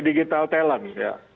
digital talent ya